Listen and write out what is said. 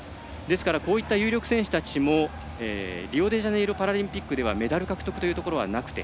こういった有力選手たちもリオデジャネイロパラリンピックではメダル獲得というところはなくて。